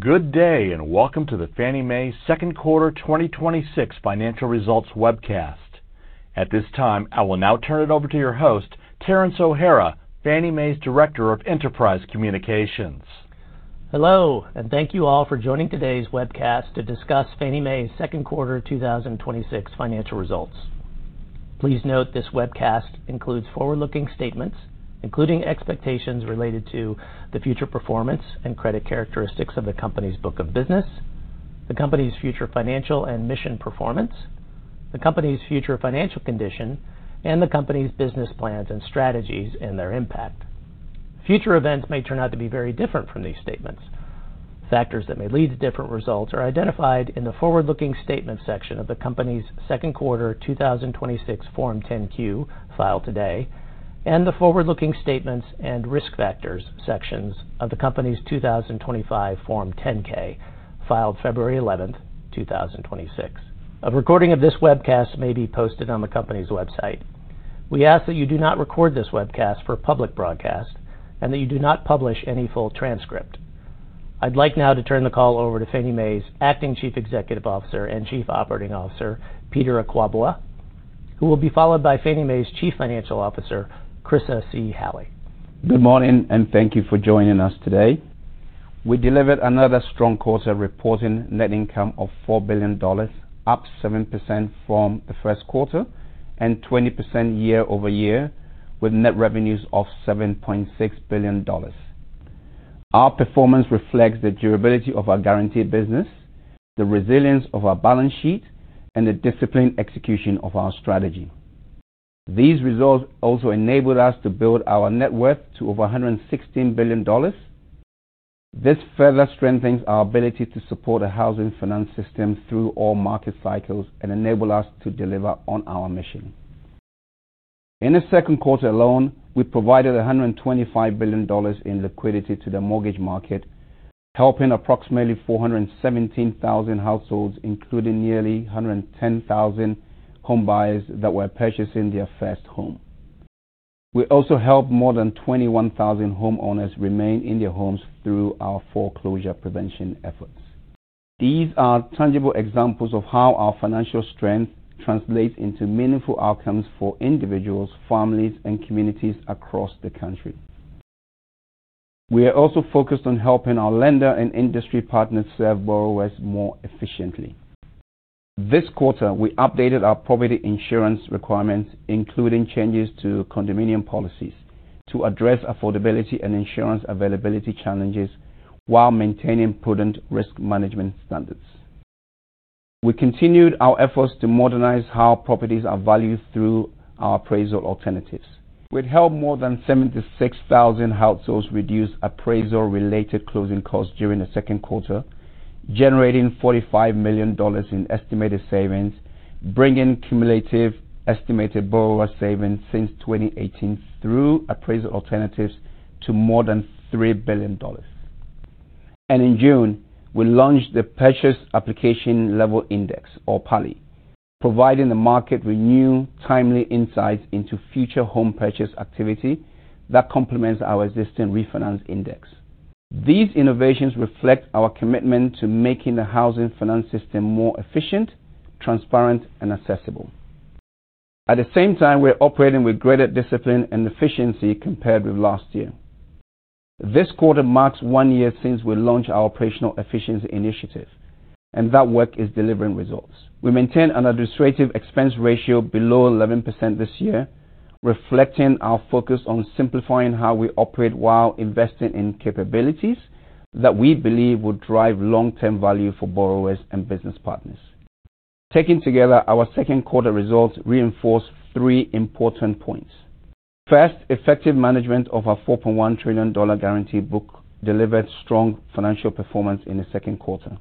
Good day, welcome to the Fannie Mae second quarter 2026 financial results webcast. At this time, I will now turn it over to your host, Terence O'Hara, Fannie Mae's Director of Enterprise Communications. Hello, thank you all for joining today's webcast to discuss Fannie Mae's second quarter 2026 financial results. Please note this webcast includes forward-looking statements, including expectations related to the future performance and credit characteristics of the Company's book of business, the Company's future financial and mission performance, the Company's future financial condition, and the Company's business plans and strategies and their impact. Future events may turn out to be very different from these statements. Factors that may lead to different results are identified in the Forward-Looking Statements section of the Company's second quarter 2026 Form 10-Q, filed today, and the Forward-Looking Statements and Risk Factors sections of the Company's 2025 Form 10-K, filed February 11th, 2026. A recording of this webcast may be posted on the Company's website. We ask that you do not record this webcast for public broadcast, and that you do not publish any full transcript. I'd like now to turn the call over to Fannie Mae's Acting Chief Executive Officer and Chief Operating Officer, Peter Akwaboah, who will be followed by Fannie Mae's Chief Financial Officer, Chryssa C. Halley. Good morning, thank you for joining us today. We delivered another strong quarter, reporting net income of $4 billion, up 7% from the first quarter, 20% year-over-year, with net revenues of $7.6 billion. Our performance reflects the durability of our guaranteed business, the resilience of our balance sheet, and the disciplined execution of our strategy. These results also enabled us to build our net worth to over $116 billion. This further strengthens our ability to support a housing finance system through all market cycles and enable us to deliver on our mission. In the second quarter alone, we provided $125 billion in liquidity to the mortgage market, helping approximately 417,000 households, including nearly 110,000 homebuyers that were purchasing their first home. We also helped more than 21,000 homeowners remain in their homes through our foreclosure prevention efforts. These are tangible examples of how our financial strength translates into meaningful outcomes for individuals, families, and communities across the country. We are also focused on helping our lender and industry partners serve borrowers more efficiently. This quarter, we updated our property insurance requirements, including changes to condominium policies to address affordability and insurance availability challenges while maintaining prudent risk management standards. We continued our efforts to modernize how properties are valued through our appraisal alternatives. We'd helped more than 76,000 households reduce appraisal-related closing costs during the second quarter, generating $45 million in estimated savings, bringing cumulative estimated borrower savings since 2018 through appraisal alternatives to more than $3 billion. In June, we launched the Purchase Application-Level Index, or PALI, providing the market with new, timely insights into future home purchase activity that complements our existing refinance index. These innovations reflect our commitment to making the housing finance system more efficient, transparent, and accessible. At the same time, we are operating with greater discipline and efficiency compared with last year. This quarter marks one year since we launched our operational efficiency initiative, that work is delivering results. We maintained an administrative expense ratio below 11% this year, reflecting our focus on simplifying how we operate while investing in capabilities that we believe will drive long-term value for borrowers and business partners. Taken together, our second quarter results reinforce three important points. First, effective management of our $4.1 trillion guaranty book delivered strong financial performance in the second quarter.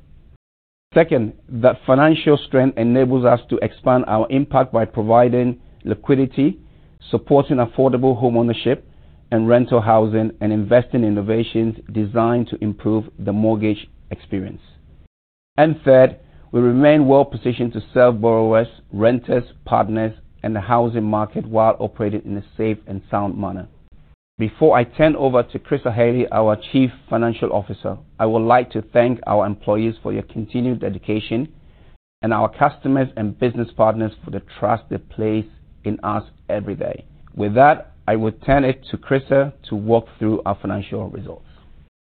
Second, that financial strength enables us to expand our impact by providing liquidity, supporting affordable homeownership and rental housing, and investing in innovations designed to improve the mortgage experience. Third, we remain well-positioned to serve borrowers, renters, partners, and the housing market while operating in a safe and sound manner. Before I turn over to Chryssa Halley, our Chief Financial Officer, I would like to thank our employees for your continued dedication and our customers and business partners for the trust they place in us every day. With that, I would turn it to Chryssa to walk through our financial results.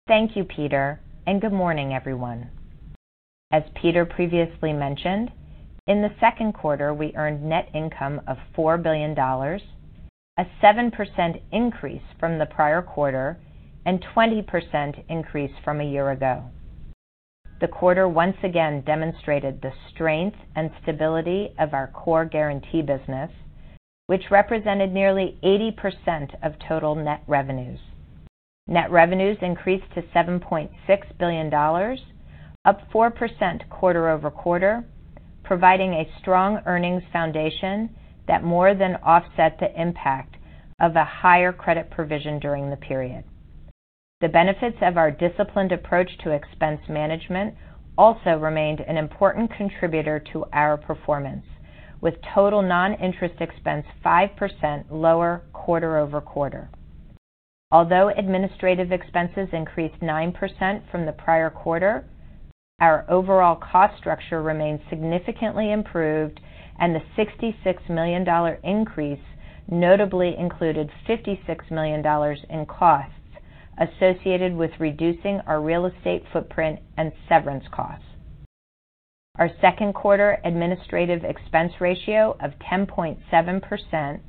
Thank you, Peter, and good morning, everyone. As Peter previously mentioned, in the second quarter, we earned net income of $4 billion, a 7% increase from the prior quarter, 20% increase from a year ago. The quarter once again demonstrated the strength and stability of our core guaranty business, which represented nearly 80% of total net revenues. Net revenues increased to $7.6 billion, up 4% quarter-over-quarter, providing a strong earnings foundation that more than offset the impact of the higher credit provision during the period. The benefits of our disciplined approach to expense management also remained an important contributor to our performance. With total non-interest expense 5% lower quarter-over-quarter. Although administrative expenses increased 9% from the prior quarter, our overall cost structure remains significantly improved and the $66 million increase notably included $56 million in costs associated with reducing our real estate footprint and severance costs. Our second quarter administrative expense ratio of 10.7%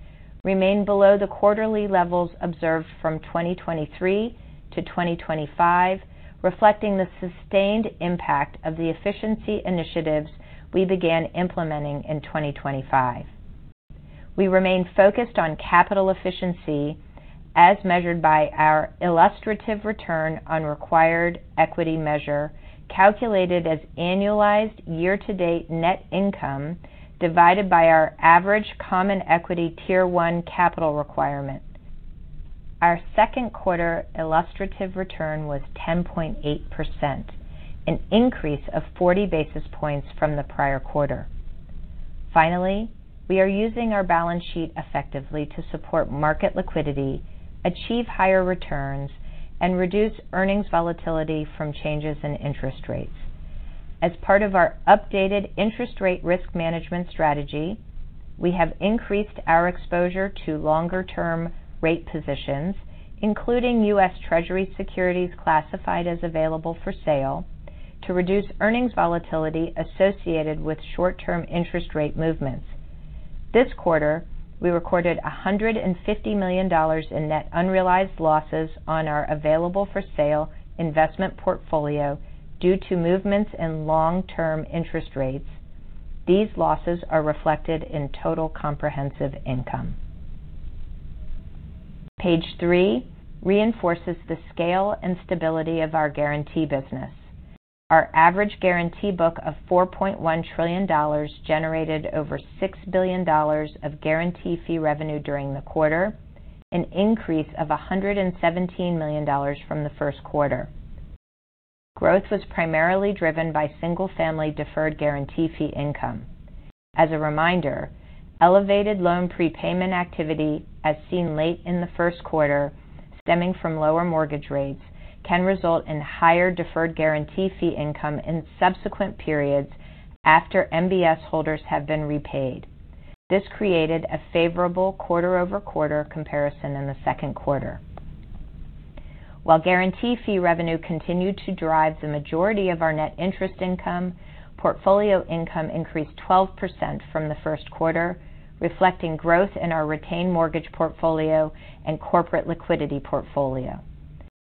remained below the quarterly levels observed from 2023 to 2025, reflecting the sustained impact of the efficiency initiatives we began implementing in 2025. We remain focused on capital efficiency as measured by our illustrative return on required equity measure, calculated as annualized year-to-date net income, divided by our average common equity Tier 1 capital requirement. Our second quarter illustrative return was 10.8%, an increase of 40 basis points from the prior quarter. Finally, we are using our balance sheet effectively to support market liquidity, achieve higher returns, and reduce earnings volatility from changes in interest rates. As part of our updated interest rate risk management strategy, we have increased our exposure to longer-term rate positions, including U.S. Treasury securities classified as available for sale to reduce earnings volatility associated with short-term interest rate movements. This quarter, we recorded $150 million in net unrealized losses on our available-for-sale investment portfolio due to movements in long-term interest rates. These losses are reflected in total comprehensive income. Page three reinforces the scale and stability of our guaranty business. Our average guaranty book of $4.1 trillion generated over $6 billion of guarantee fee revenue during the quarter, an increase of $117 million from the first quarter. Growth was primarily driven by single-family deferred guarantee fee income. As a reminder, elevated loan prepayment activity as seen late in the first quarter stemming from lower mortgage rates can result in higher deferred guarantee fee income in subsequent periods after MBS holders have been repaid. This created a favorable quarter-over-quarter comparison in the second quarter. While guarantee fee revenue continued to drive the majority of our net interest income, portfolio income increased 12% from the first quarter, reflecting growth in our retained mortgage portfolio and corporate liquidity portfolio.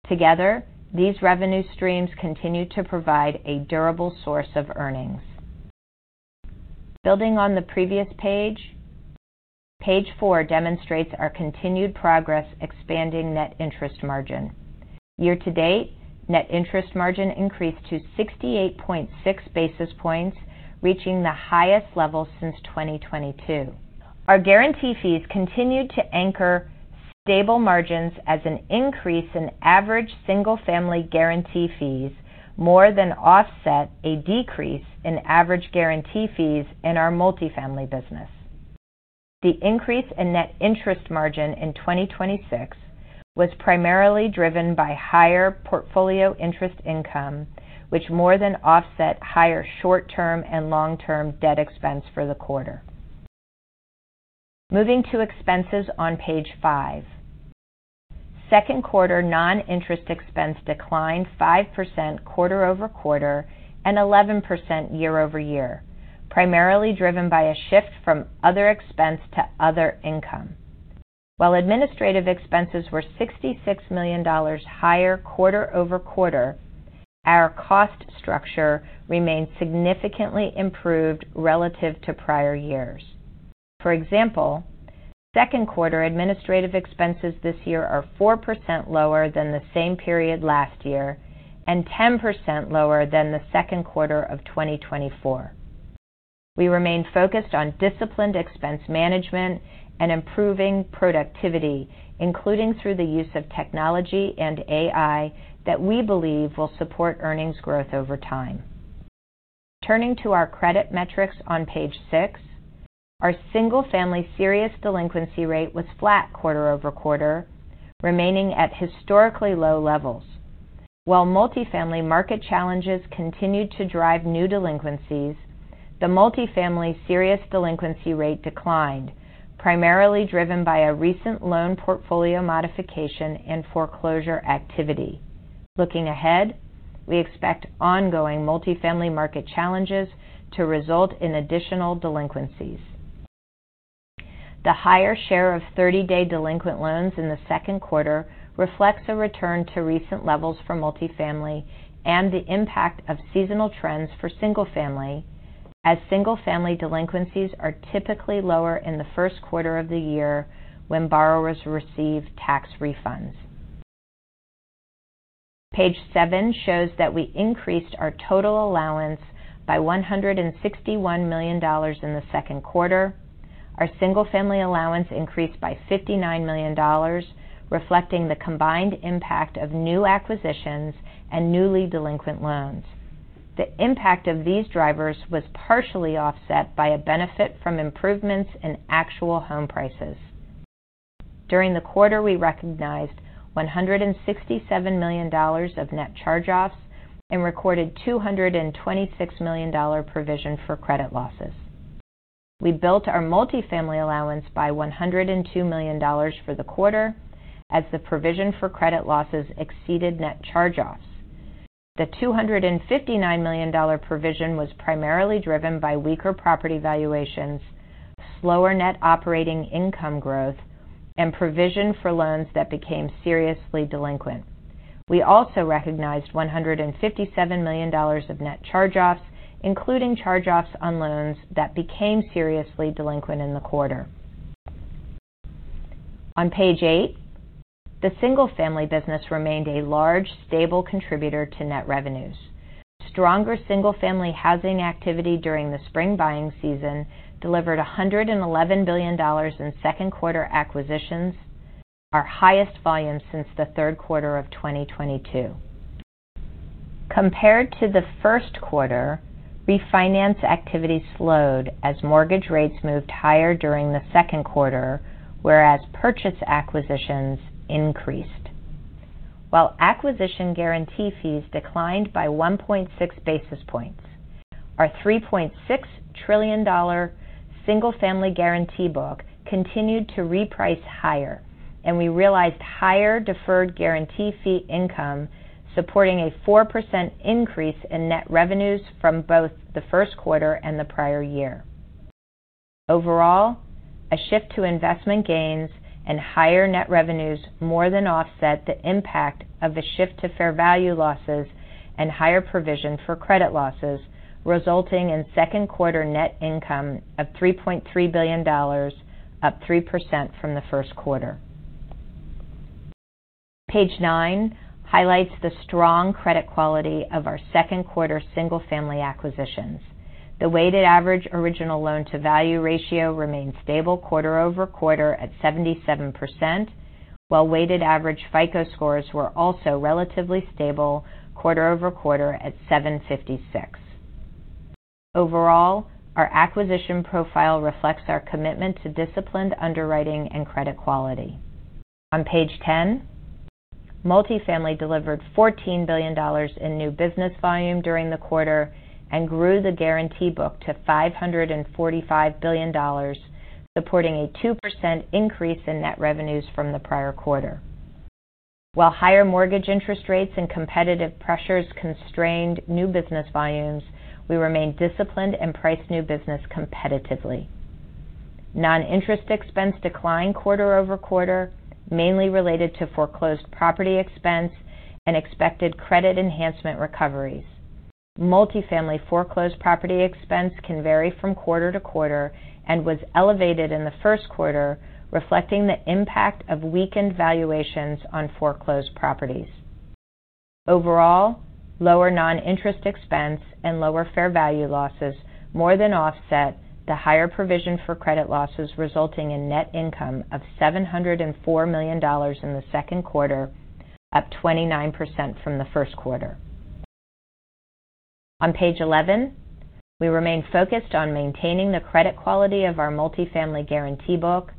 Together, these revenue streams continue to provide a durable source of earnings. Building on the previous page four demonstrates our continued progress expanding net interest margin. Year to date, net interest margin increased to 68.6 basis points, reaching the highest level since 2022. Our guarantee fees continued to anchor stable margins as an increase in average single-family guarantee fees more than offset a decrease in average guarantee fees in our multifamily business. The increase in net interest margin in 2026 was primarily driven by higher portfolio interest income, which more than offset higher short-term and long-term debt expense for the quarter. Moving to expenses on page five. Second quarter non-interest expense declined 5% quarter-over-quarter and 11% year-over-year, primarily driven by a shift from other expense to other income. While administrative expenses were $66 million higher quarter-over-quarter, our cost structure remained significantly improved relative to prior years. For example, second quarter administrative expenses this year are 4% lower than the same period last year and 10% lower than the second quarter of 2024. We remain focused on disciplined expense management and improving productivity, including through the use of technology and AI that we believe will support earnings growth over time. Turning to our credit metrics on page six, our single-family serious delinquency rate was flat quarter-over-quarter, remaining at historically low levels. While multifamily market challenges continued to drive new delinquencies, the multifamily serious delinquency rate declined, primarily driven by a recent loan portfolio modification and foreclosure activity. Looking ahead, we expect ongoing multifamily market challenges to result in additional delinquencies. The higher share of 30-day delinquent loans in the second quarter reflects a return to recent levels for multifamily and the impact of seasonal trends for single-family, as single-family delinquencies are typically lower in the first quarter of the year when borrowers receive tax refunds. Page seven shows that we increased our total allowance by $161 million in the second quarter. Our single-family allowance increased by $59 million, reflecting the combined impact of new acquisitions and newly delinquent loans. The impact of these drivers was partially offset by a benefit from improvements in actual home prices. During the quarter, we recognized $167 million of net charge-offs and recorded a $226 million provision for credit losses. We built our multifamily allowance by $102 million for the quarter as the provision for credit losses exceeded net charge-offs. The $259 million provision was primarily driven by weaker property valuations, slower net operating income growth, and provision for loans that became seriously delinquent. We also recognized $157 million of net charge-offs, including charge-offs on loans that became seriously delinquent in the quarter. On page eight, the single-family business remained a large, stable contributor to net revenues. Stronger single-family housing activity during the spring buying season delivered $111 billion in second quarter acquisitions, our highest volume since the third quarter of 2022. Compared to the first quarter, refinance activity slowed as mortgage rates moved higher during the second quarter, whereas purchase acquisitions increased. While acquisition guarantee fees declined by 1.6 basis points, our $3.6 trillion single-family guarantee book continued to reprice higher, and we realized higher deferred guarantee fee income, supporting a 4% increase in net revenues from both the first quarter and the prior year. Overall, a shift to investment gains and higher net revenues more than offset the impact of the shift to fair value losses and higher provision for credit losses, resulting in second quarter net income of $3.3 billion, up 3% from the first quarter. Page nine highlights the strong credit quality of our second quarter single-family acquisitions. The weighted average original loan-to-value ratio remained stable quarter-over-quarter at 77%, while weighted average FICO scores were also relatively stable quarter-over-quarter at 756. Overall, our acquisition profile reflects our commitment to disciplined underwriting and credit quality. On page 10, multifamily delivered $14 billion in new business volume during the quarter and grew the guarantee book to $545 billion, supporting a 2% increase in net revenues from the prior quarter. While higher mortgage interest rates and competitive pressures constrained new business volumes, we remained disciplined and priced new business competitively. Non-interest expense declined quarter-over-quarter, mainly related to foreclosed property expense and expected credit enhancement recoveries. Multifamily foreclosed property expense can vary from quarter-to-quarter and was elevated in the first quarter, reflecting the impact of weakened valuations on foreclosed properties. Overall, lower non-interest expense and lower fair value losses more than offset the higher provision for credit losses, resulting in net income of $704 million in the second quarter, up 29% from the first quarter. On page 11, we remain focused on maintaining the credit quality of our multifamily guarantee book.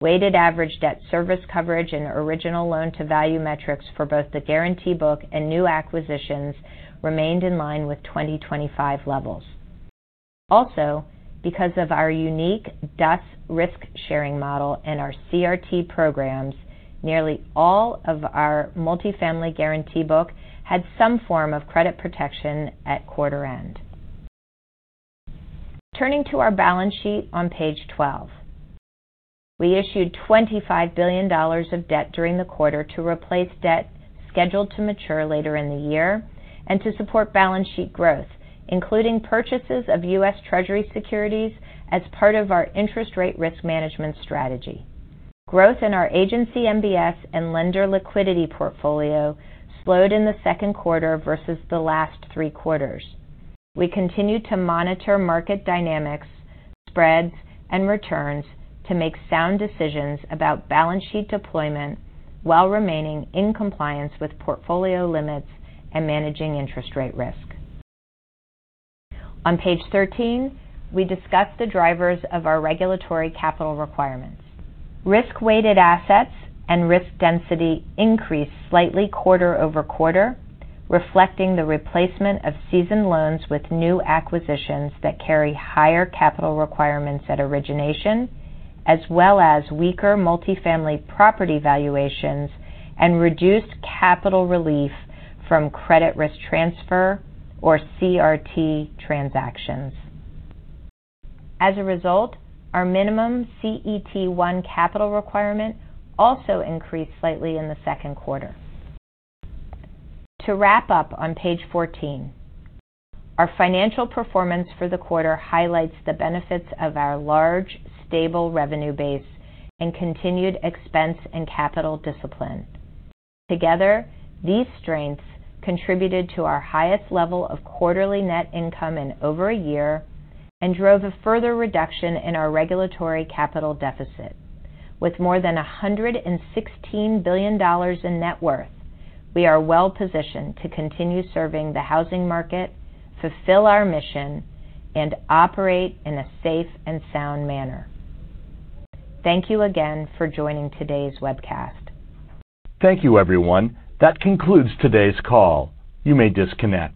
Weighted average debt service coverage and original loan-to-value metrics for both the guarantee book and new acquisitions remained in line with 2025 levels. Also, because of our unique DUS risk-sharing model and our CRT programs, nearly all of our multifamily guarantee book had some form of credit protection at quarter end. Turning to our balance sheet on page 12, we issued $25 billion of debt during the quarter to replace debt scheduled to mature later in the year and to support balance sheet growth, including purchases of U.S. Treasury securities as part of our interest rate risk management strategy. Growth in our agency MBS and lender liquidity portfolio slowed in the second quarter versus the last three quarters. We continue to monitor market dynamics, spreads, and returns to make sound decisions about balance sheet deployment while remaining in compliance with portfolio limits and managing interest rate risk. On page 13, we discuss the drivers of our regulatory capital requirements. Risk-weighted assets and risk density increased slightly quarter-over-quarter, reflecting the replacement of seasoned loans with new acquisitions that carry higher capital requirements at origination, as well as weaker multifamily property valuations and reduced capital relief from credit risk transfer or CRT transactions. As a result, our minimum CET1 capital requirement also increased slightly in the second quarter. To wrap up on page 14, our financial performance for the quarter highlights the benefits of our large, stable revenue base and continued expense and capital discipline. Together, these strengths contributed to our highest level of quarterly net income in over a year and drove a further reduction in our regulatory capital deficit. With more than $116 billion in net worth, we are well positioned to continue serving the housing market, fulfill our mission, and operate in a safe and sound manner. Thank you again for joining today's webcast. Thank you everyone. That concludes today's call. You may disconnect.